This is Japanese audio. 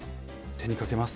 手にかけます。